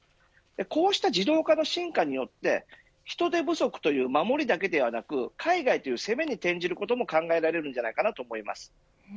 こうした自動化の進化によって人手不足という守りだけではなく海外という攻めに転じることも考えられると思います。